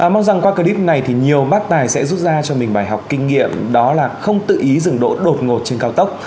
mong rằng qua clip này thì nhiều matt tài sẽ rút ra cho mình bài học kinh nghiệm đó là không tự ý dừng đỗ đột ngột trên cao tốc